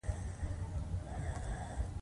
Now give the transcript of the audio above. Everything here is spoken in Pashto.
ایا زه باید خوب تعبیر کړم؟